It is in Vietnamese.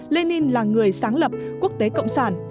lenin là người sáng lập quốc tế cộng sản